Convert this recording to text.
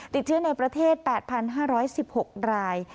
ติดเชื้อในประเทศ๘๕๑๖ราย